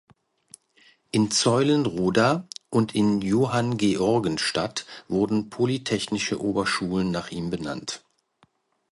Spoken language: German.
In Zeulenroda und in Johanngeorgenstadt wurden Polytechnische Oberschulen nach ihm benannt.